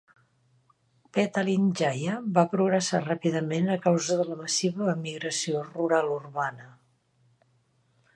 Petalin Jaya va progressar ràpidament a causa de la massiva emigració rural-urbana.